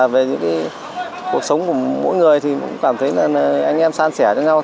về những cái cuộc sống của mỗi người thì cũng cảm thấy là anh em san sẻ với nhau